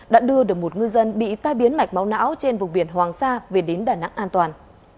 đã đưa được một ngư dân bị tai biến mạch máu não trên vùng biển hoàng sa về đến đà nẵng an toàn